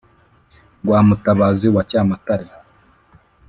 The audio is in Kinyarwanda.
rwa mutabazi wa cyamatare ,